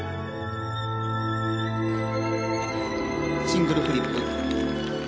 シングルフリップ。